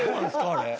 あれ。